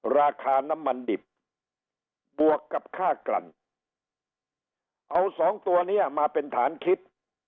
ราคาน้ำมันดิบบวกกับค่ากลั่นเอาสองตัวเนี้ยมาเป็นฐานคิด